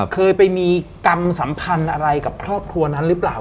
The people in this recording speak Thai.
เคยไปมีกรรมสัมพันธ์อะไรกับครอบครัวนั้นหรือเปล่า